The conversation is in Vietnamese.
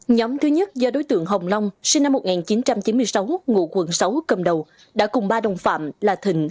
nhóm thứ nhất do đối tượng hồng long sinh năm một nghìn chín trăm chín mươi sáu ngụ quận sáu cầm đầu đã cùng ba đồng phạm là thịnh